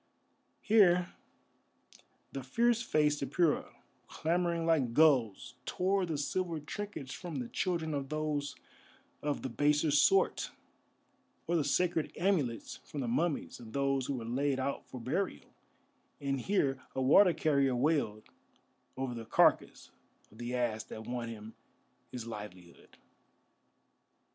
Here the fierce faced Apura, clamouring like gulls, tore the silver trinkets from the children of those of the baser sort, or the sacred amulets from the mummies of those who were laid out for burial, and here a water carrier wailed over the carcass of the ass that won him his livelihood.